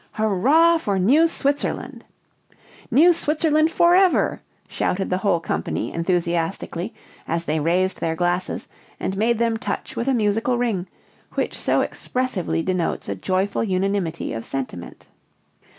"Hurrah for New Switzerland!" "New Switzerland forever!" shouted the whole company enthusiastically, as they raised their glasses, and made them touch with a musical ring, which so expressively denotes a joyful unanimity of sentiment.